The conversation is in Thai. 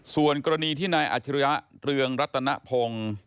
ส่วนกรณีที่นายอัจฉริยะเรืองรัตนพงศ์